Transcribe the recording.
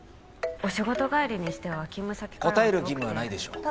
お仕事帰りにしては勤務先からも遠くて答える義務はないでしょう